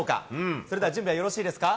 それでは準備はよろしいですか。